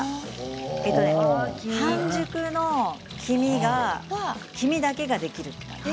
半熟の黄身だけができる。